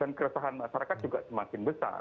dan keresahan masyarakat juga semakin besar